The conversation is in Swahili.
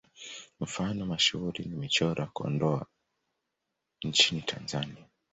Mfano mashuhuri ni Michoro ya Kondoa nchini Tanzania.